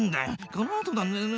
このあとなんだよな。